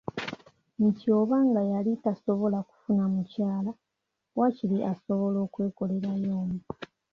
Nti oba nga yali tasobola kufuna mukyala, waakiri asobola okwekolerayo omu.